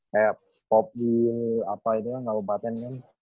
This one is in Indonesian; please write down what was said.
kayak pop di apa itu kan kabupaten kan